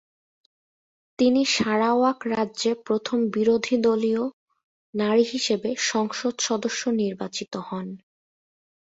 তিনি সারাওয়াক রাজ্যে প্রথম বিরোধীদলীয় নারী হিসেবে সংসদ সদস্য নির্বাচিত হন।